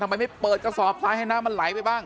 ไม่เปิดกระสอบซ้ายให้น้ำมันไหลไปบ้าง